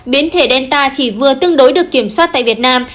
biến thể delta chỉ vừa tương đối được kiểm soát tại việt nam